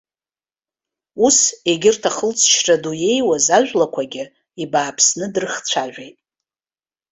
Ус егьырҭ ахылҵшьҭра ду еиуаз ажәлақәагьы ибааԥсны дрыхцәажәеит.